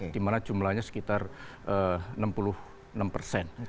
di mana jumlahnya sekitar enam puluh enam persen